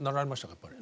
やっぱり。